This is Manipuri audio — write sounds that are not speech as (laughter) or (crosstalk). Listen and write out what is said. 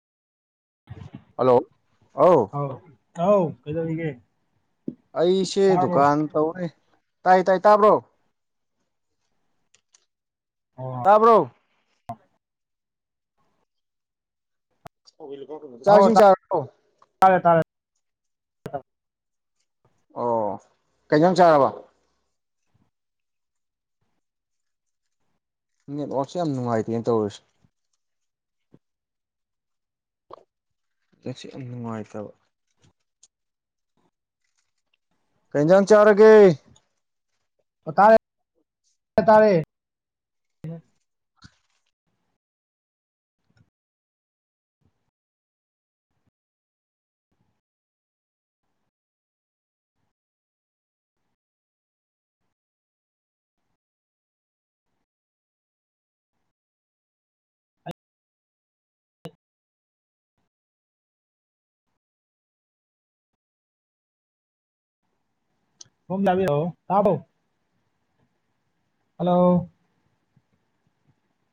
ꯍꯜꯂꯣ ꯑꯧ ꯑꯥꯎ ꯍꯥꯎ ꯀꯩꯗꯧꯔꯤꯒꯦ ꯑꯩꯁꯦ ꯇꯥꯔꯕꯣ ꯗꯨꯀꯥꯟ ꯇꯧꯔꯦ ꯇꯥꯏ ꯇꯥꯏ ꯇꯥꯕ꯭ꯔꯣ ꯑꯣ ꯇꯥꯕ꯭ꯔꯣ ꯆꯥꯛ ꯑꯧ ꯏꯁꯤꯡ ꯆꯥꯔ ꯇꯥꯔꯦ ꯇꯥꯔ ꯑꯣ ꯀꯩꯩ ꯏꯟꯖꯥꯡ ꯆꯥꯔꯕ ꯅꯦꯠꯋꯥꯛꯁꯦ ꯌꯥꯝ ꯅꯨꯡꯉꯥꯏꯇꯦꯅꯦ ꯇꯧꯔꯁ ꯅꯦꯠꯁꯦ ꯌꯥꯝ ꯅꯨꯡꯉꯥꯏꯇꯕ ꯀꯩ ꯏꯟꯖꯥꯡ ꯆꯥꯔꯒꯦ ꯑꯣ ꯇꯥꯔꯦ (inaudible) ꯇꯥꯔꯦ ꯑꯩ ꯁꯣꯝ ꯇꯥꯕꯤꯔꯕ‌ꯣ ꯇꯥ (unintelligible) ꯍꯜꯂꯣ